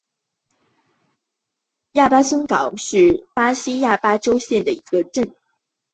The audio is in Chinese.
亚马孙港是巴西巴拉那州的一个市镇。